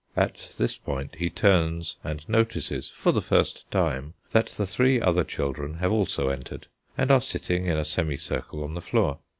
At this point he turns and notices, for the first time, that the three other children have also entered, and are sitting in a semi circle on the floor.